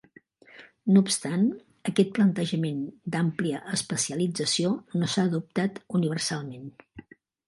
No obstant, aquest plantejament "d'àmplia especialització" no s'ha adoptat universalment.